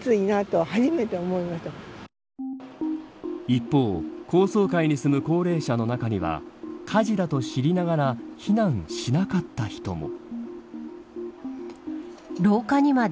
一方、高層階に住む高齢者の中には火事だと知りながら避難しなかった人も。